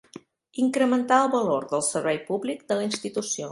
Incrementar el valor del servei públic de la institució.